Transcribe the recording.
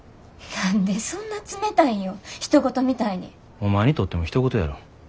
お前にとってもひと事やろ。